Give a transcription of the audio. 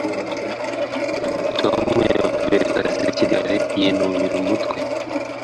Tom yavuye ku kazi hakiri kare, yinubira umutwe.